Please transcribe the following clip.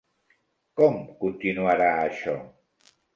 Com continuarà això?